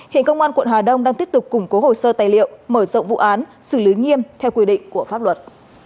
hiện công an quận hà đông đang tiếp tục củng cố hồ sơ tài liệu mở rộng vụ án xử lý nghiêm theo quy định của pháp luật